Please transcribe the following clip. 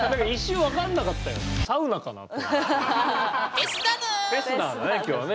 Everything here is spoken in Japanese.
フェスなんだね今日ね。